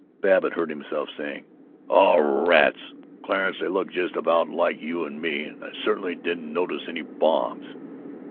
Babbitt heard himself saying, "Oh, rats, Clarence, they look just about like you and me, and I certainly didn't notice any bombs."